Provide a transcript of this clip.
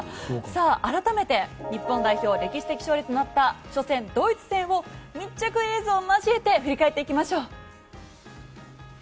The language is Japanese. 改めて、日本代表歴史的勝利となった初戦ドイツ戦を密着映像を交えて振り返っていきましょう。